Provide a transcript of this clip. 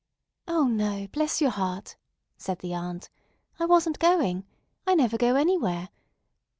"O, no, bless your heart," said the aunt, "I wasn't going. I never go anywhere.